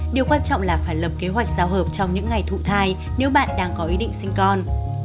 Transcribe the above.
điều quan trọng là phải lập kế hoạch giao hợp trong những ngày thụ thai nếu bạn đang có ý định sinh con